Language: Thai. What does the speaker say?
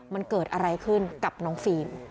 มันเกิดอะไรขึ้นกับน้องฟิล์ม